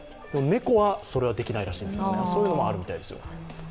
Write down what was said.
猫はそれはできないらしいんですがそういうのもあるみたいですよ。